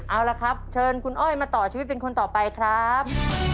เอาละครับเชิญคุณอ้อยมาต่อชีวิตเป็นคนต่อไปครับ